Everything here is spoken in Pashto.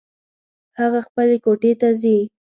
هغه خپلې کوټې ته ځي